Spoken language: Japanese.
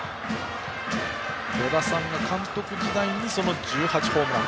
与田さんが監督時代にその１８ホームラン。